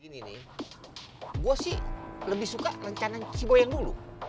gini nih gue sih lebih suka rencana si boyang dulu